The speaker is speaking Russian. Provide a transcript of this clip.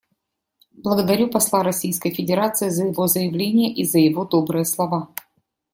Благодарю посла Российской Федерации за его заявление и за его добрые слова.